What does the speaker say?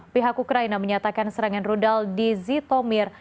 pihak ukraina menyatakan serangan rudal di zitomir